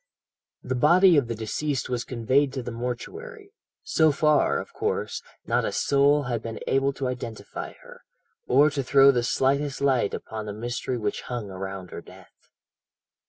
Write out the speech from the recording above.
"The body of the deceased was conveyed to the mortuary. So far, of course, not a soul had been able to identify her, or to throw the slightest light upon the mystery which hung around her death.